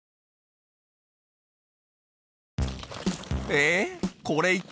えっ！？